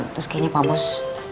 terus kayaknya pak bos